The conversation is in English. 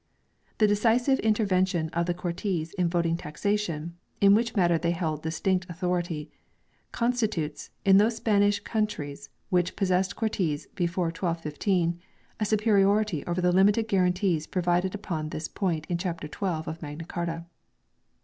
The decisive intervention of the Cortes in voting taxation in which matter they hold distinct authority consti tutes, in those Spanish countries which possessed Cortes before 1215, a superiority over the limited guarantees provided upon this point in chapter 12 of Magna Carta.